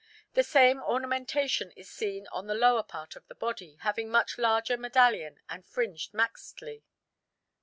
The same ornamentation is seen on the lower part of the body, having a much larger medallion and fringed maxtli.